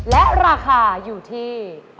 และราคาอยู่ที่